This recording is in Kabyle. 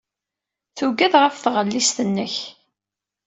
Tuggad ɣef tɣellist-nnek.